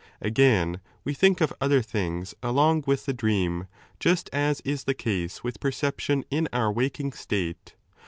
Again, we think of otlier things along with the dream, just as is the case with perception in our waking state.